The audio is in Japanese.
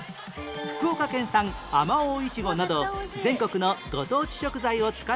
福岡県産あまおう苺など全国のご当地食材を使ったものや